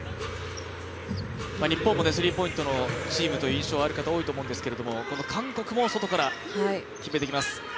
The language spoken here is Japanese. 日本もスリーポイントのチームという印象のある人は多いと思うんですけども、この韓国も外から決めてきます。